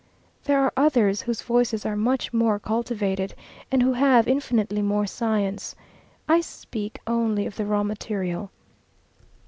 There are others whose voices are much more cultivated, and who have infinitely more science. I speak only of the raw material.